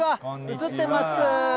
写ってます。